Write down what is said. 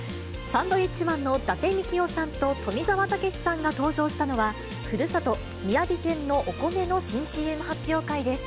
サンドウィッチマンの伊達みきおさんと、富澤たけしさんが登場したのは、ふるさと、宮城県のお米の新ＣＭ発表会です。